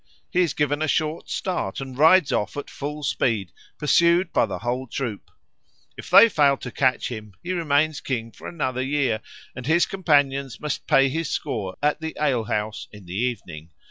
He is given a short start and rides off at full speed, pursued by the whole troop. If they fail to catch him he remains King for another year, and his companions must pay his score at the ale house in the evening.